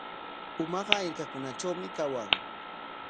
Pumaqa hirkakunatrawmi kawan.